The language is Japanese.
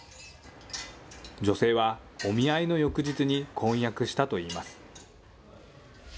女性は、お見合いの翌日に婚約したといいます。